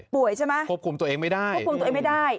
ใช่ไหมควบคุมตัวเองไม่ได้ควบคุมตัวเองไม่ได้